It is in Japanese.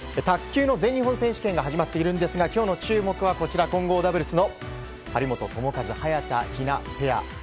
卓球の全日本選手権が始まっているんですが今日の注目はこちら、混合ダブルスの張本智和、早田ひなペア。